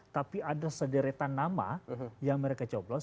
tapi ada sederetan nama yang mereka coblos